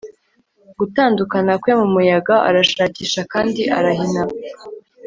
gutandukana kwe mumuyaga, arashakisha kandi arahina